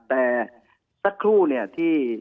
แต่สักครู่เนี่ยที่